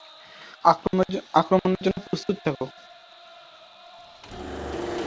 আক্রমণের জন্য প্রস্তুত থাকো।